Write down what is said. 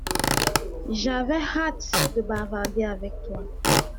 J’avais hâte de bavarder avec toi.